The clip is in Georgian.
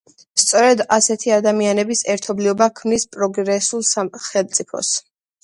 სწორედ ასეთი ადამიანების ერთობლიობა ქმნის პროგრესულ სახელმწიფოს.